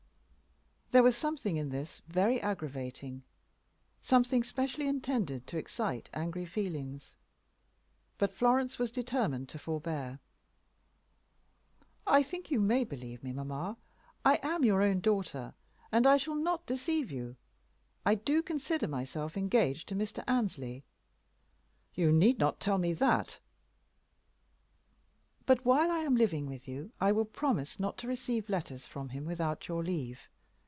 There was something in this very aggravating, something specially intended to excite angry feelings. But Florence determined to forbear. "I think you may believe me, mamma. I am your own daughter, and I shall not deceive you. I do consider myself engaged to Mr. Annesley." "You need not tell me that." "But while I am living with you I will promise not to receive letters from him without your leave.